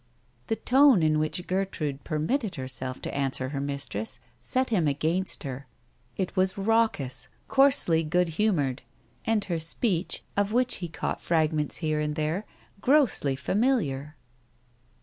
The tone in which Gertrude permitted herself to answer her mistress set him against her ; it was raucous, coarsely good humoured, and her speech, of which he caught fragments here and there, grossly familiar.